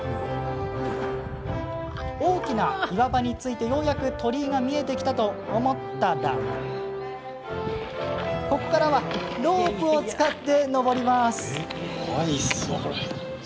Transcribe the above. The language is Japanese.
大きな岩場に着いて、ようやく鳥居が見えてきたと思ったらここからはロープを使って登ります。